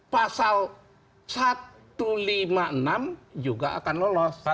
pasal satu ratus lima puluh enam juga akan lolos